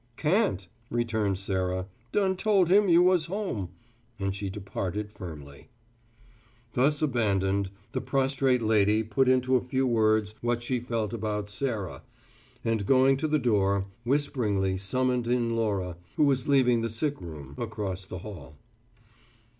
"Can't," returned Sarah. "Done told him you was home." And she departed firmly. Thus abandoned, the prostrate lady put into a few words what she felt about Sarah, and, going to the door, whisperingly summoned in Laura, who was leaving the sick room, across the hall.